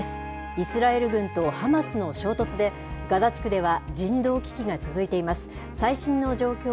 イスラエル軍とハマスの衝突で、ガザ地区では人道危機が続いています。